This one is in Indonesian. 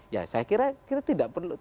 ya saya kira kita tidak perlu